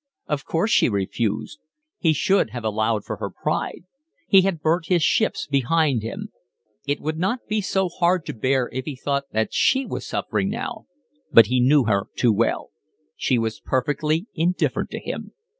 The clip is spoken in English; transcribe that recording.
Of course she refused. He should have allowed for her pride. He had burnt his ships behind him. It would not be so hard to bear if he thought that she was suffering now, but he knew her too well: she was perfectly indifferent to him.